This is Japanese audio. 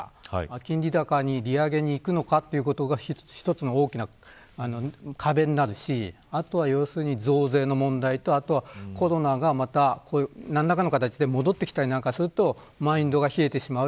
金利高に利上げにいくのかということが一つの大きな壁になるしあとは要するに、増税の問題とコロナが、また何らかの形で戻ってきたりするとマインドが冷えてしまう。